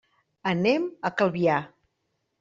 Anem a Calvià.